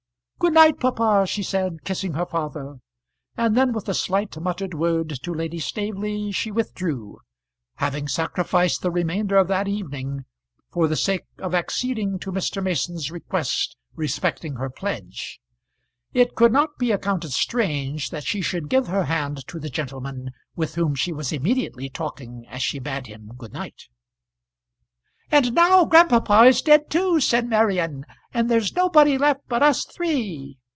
"Good night, papa," she said, kissing her father. And then, with a slight muttered word to Lady Staveley, she withdrew, having sacrificed the remainder of that evening for the sake of acceding to Mr. Mason's request respecting her pledge. It could not be accounted strange that she should give her hand to the gentleman with whom she was immediately talking as she bade him good night. "And now grandpapa is dead too," said Marian, "and there's nobody left but us three."